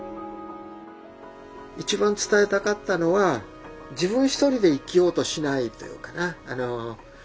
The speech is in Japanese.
一番伝えたかったのは自分一人で生きようとしないというかな。